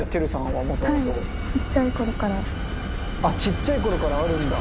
はいあっちっちゃい頃からあるんだ。